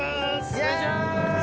お願いします！